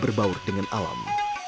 mereka berbaur dengan alam